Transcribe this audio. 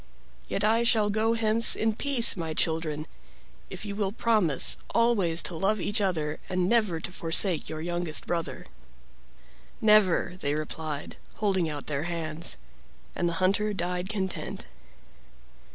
Yet I shall go hence in peace, my children, if you will promise always to love each other and never to forsake your youngest brother." "Never!" they replied, holding out their hands. And the hunter died content.